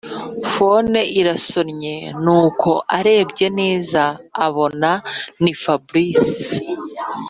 phone irasonye nuko arebye neza abona ni fabric